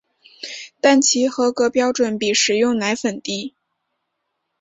但其合格标准比食用奶粉低。